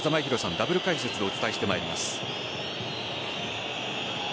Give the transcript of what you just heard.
ダブル解説でお伝えしてまいります。